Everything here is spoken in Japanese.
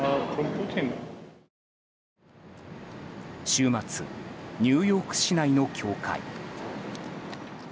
週末ニューヨーク市内の教会。